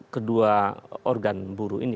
kedua organ buruh ini